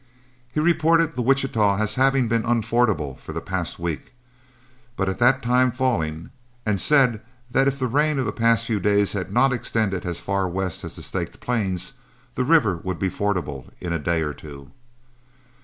He reported the Wichita as having been unfordable for the past week, but at that time falling; and said that if the rain of the past few days had not extended as far west as the Staked Plains, the river would be fordable in a day or two.